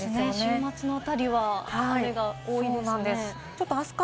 週末の辺りは雨が多いですね。